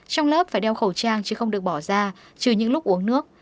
trong lớp phải đeo khẩu trang chứ không được bỏ ra trừ những lúc uống nước